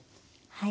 はい。